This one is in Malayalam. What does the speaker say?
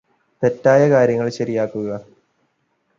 തെറ്റായ കാര്യങ്ങള് ശരിയാക്കുക